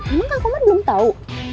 emang kang kumar belum tau